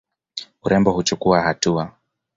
Urembo huchukuwa hatua.